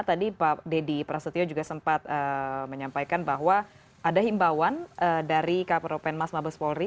tadi pak deddy prasetyo juga sempat menyampaikan bahwa ada himbauan dari kapuropenmas mabes polri